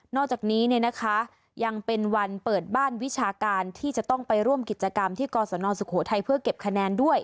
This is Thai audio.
อกจากนี้เนี่ยนะคะยังเป็นวันเปิดบ้านวิชาการที่จะต้องไปร่วมกิจกรรมที่กศนสุโขทัยเพื่อเก็บคะแนนด้วย